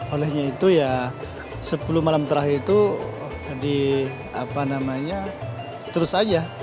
olehnya itu ya sepuluh malam terakhir itu di apa namanya terus aja